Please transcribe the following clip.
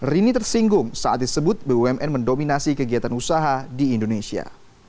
rini tersinggung saat disebut bumn mendominasi kegiatan usaha di indonesia